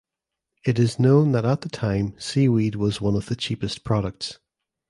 It is known that at the time seaweed was one of the cheapest products.